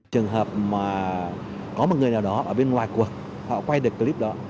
trường hợp mà có một người nào đó ở bên ngoài cuộc họ quay được clip đó